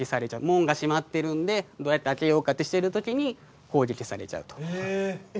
門が閉まってるんでどうやって開けようかってしてる時に攻撃されちゃうと。